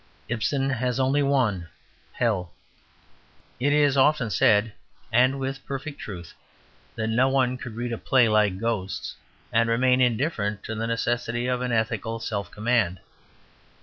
Ibsen has only one Hell. It is often said, and with perfect truth, that no one could read a play like GHOSTS and remain indifferent to the necessity of an ethical self command.